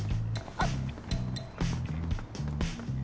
あっ。